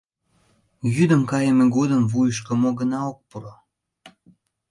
Йӱдым кайыме годым вуйышко мо гына ок пуро?